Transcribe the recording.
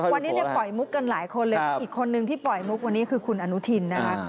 วันนี้เนี่ยปล่อยมุกกันหลายคนเลยอีกคนนึงที่ปล่อยมุกวันนี้คือคุณอนุทินนะคะ